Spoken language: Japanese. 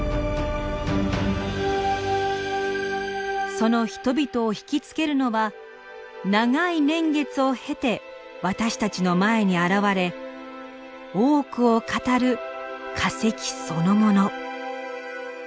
その人々を引き付けるのは長い年月を経て私たちの前に現れ多くを語る化石そのもの。